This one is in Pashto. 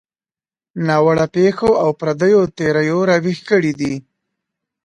ناوړه پېښو او پردیو تیریو راویښ کړي دي.